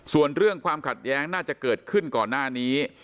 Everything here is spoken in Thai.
ส่วนเรื่องความขัดแย้งน่าจะเกิดขึ้นก่อนหน้านี้